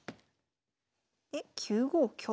で９五香。